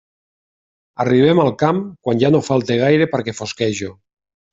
Arribem al camp quan ja no falta gaire perquè fosquegi.